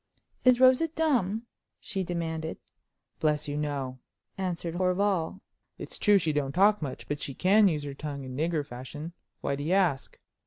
"Is Rosa dumb?" she demanded. "Bless you, no!" answered Horval. "It's true as she don't talk much, but she can use her tongue in nigger fashion. Why do you ask?"